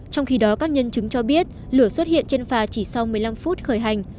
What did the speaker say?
trong khi đó các nhân chứng cho biết lửa xuất hiện trên phà chỉ sau một mươi năm phút khởi hành